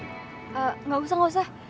eeeh gausah gausah